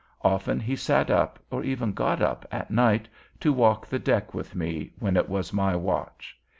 Often he sat up, or even got up, at night, to walk the deck with me, when it was my watch.